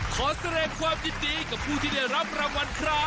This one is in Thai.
ขอแสดงความยินดีกับผู้ที่ได้รับรางวัลครับ